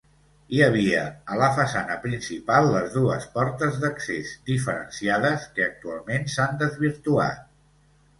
Hi havia, a la façana principal, les dues portes d'accés diferenciades, que actualment s'han desvirtuat.